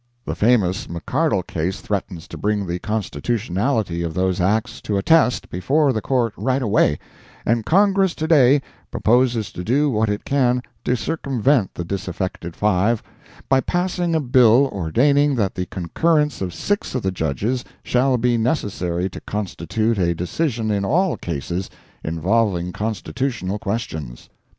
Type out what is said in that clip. The famous McCardle case threatens to bring the constitutionality of those Acts to a test before the Court right away, and Congress to day proposes to do what it can to circumvent the disaffected five, by passing a bill ordaining that the concurrence of six of the Judges shall be necessary to constitute a decision in all cases involving constitutional questions.